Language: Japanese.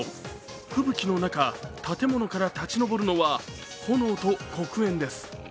吹雪の中、建物から立ち上るのは、炎と黒煙です。